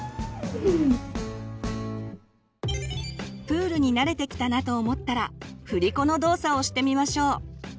プールに慣れてきたなと思ったらふりこの動作をしてみましょう。